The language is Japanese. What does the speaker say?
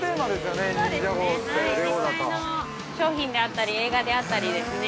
◆実際の商品であったり映画であったりですね